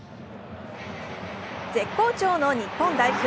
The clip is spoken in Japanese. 絶好調の日本代表